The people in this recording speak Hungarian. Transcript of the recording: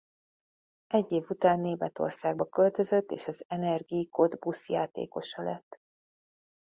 Egy év után Németországba költözött és az Energie Cottbus játékosa lett.